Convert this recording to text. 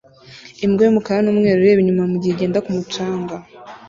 Imbwa y'umukara n'umweru ireba inyuma mugihe igenda ku mucanga